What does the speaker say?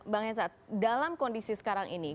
bang hensat dalam kondisi sekarang ini